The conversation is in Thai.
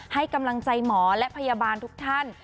ให้กำลังใจหมอและพยาบาลทุกท่าน